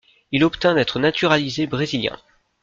Il obtint d'être naturalisé brésilien.